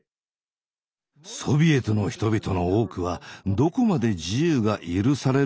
ソビエトの人々の多くはどこまで自由が許されるのかが分からない。